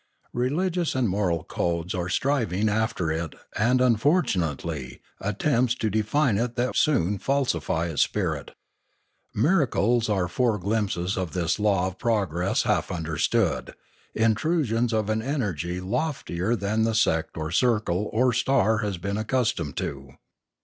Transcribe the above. Religious and moral codes are strivings after it and, unfortunately, attempts to define it that soon falsify its spirit. Miracles are fore glimpses of this law of progress half understood, intrusions of an energy loftier than the sect or circle or star has been accus tomed to.